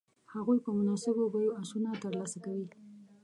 هغوی په مناسبو بیو آسونه تر لاسه کوي.